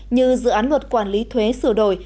như dự án luật quản lý thuế sửa đổi